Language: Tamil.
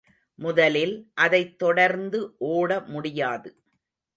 முதலில் அதைத் தொடர்ந்து ஓட முடியாது.